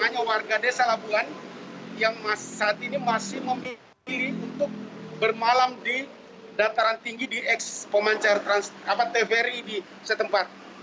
hanya warga desa labuan yang saat ini masih memilih untuk bermalam di dataran tinggi di ex pemancar tvri di setempat